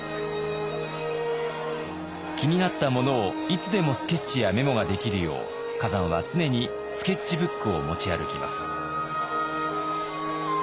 気になったものをいつでもスケッチやメモができるよう崋山は常にスケッチブックを持ち歩きます。